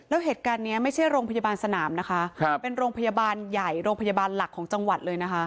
แล้วเหตุการณ์นี้ไม่ใช่โรงพยาบาลสนามนะคะเป็นโรงพยาบาลใหญ่โรงพยาบาลหลักของจังหวัดเลยนะคะ